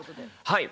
はい。